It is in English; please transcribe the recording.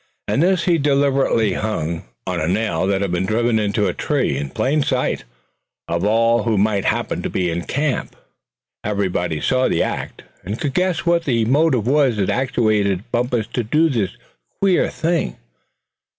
And this he deliberately hung on a nail that had been driven into a tree, in plain sight of all who might happen to be in camp. Everybody saw the act, and could guess what the motive was that actuated Bumpus to do this queer thing.